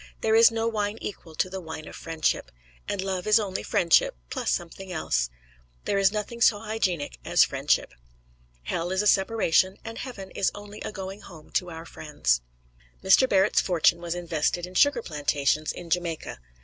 There is no wine equal to the wine of friendship; and love is only friendship plus something else. There is nothing so hygienic as friendship. Hell is a separation, and Heaven is only a going home to our friends. Mr. Barrett's fortune was invested in sugar plantations in Jamaica.